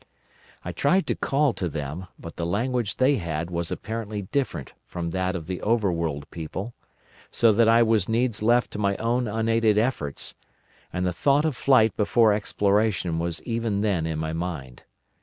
"I tried to call to them, but the language they had was apparently different from that of the Overworld people; so that I was needs left to my own unaided efforts, and the thought of flight before exploration was even then in my mind.